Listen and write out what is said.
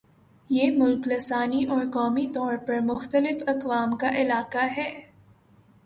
یہ ملک لسانی اور قومی طور پر مختلف اقوام کا علاقہ ہے